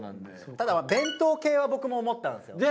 ただ弁当系は僕も思ったんですよ２人でね。